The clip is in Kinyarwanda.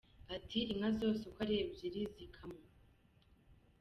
Ati “Inka zose uko ari ebyiri zakamwaga.